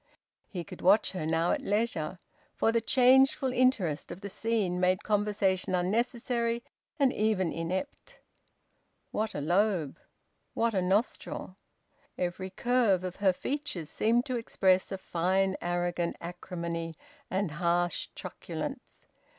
He could watch her now at leisure, for the changeful interest of the scene made conversation unnecessary and even inept. What a lobe! What a nostril! Every curve of her features seemed to express a fine arrogant acrimony and harsh truculence.